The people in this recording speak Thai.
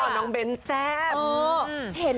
น้องเบ้นแซ่บ